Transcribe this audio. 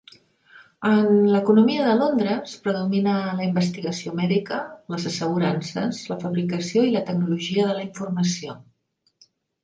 En l'economia de Londres predomina la investigació mèdica, les assegurances, la fabricació i la tecnologia de la informació.